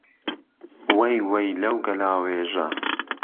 وهی وهی لهو گهلاوێژه